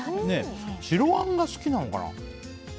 白あんが好きなのかな。